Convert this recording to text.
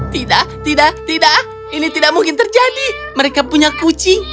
tidak tidak tidak ini tidak mungkin terjadi mereka punya kucing